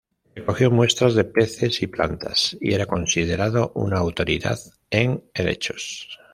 Recogió muestras de peces y plantas y era considerado una autoridad en helechos.